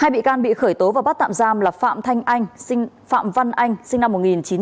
hai bị can bị khởi tố và bắt tạm giam là phạm thanh anh phạm văn anh sinh năm một nghìn chín trăm tám mươi